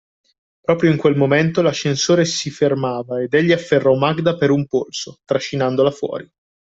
Proprio in quel momento l'ascensore si fermava ed egli afferrò Magda per un polso, trascinandola fuori.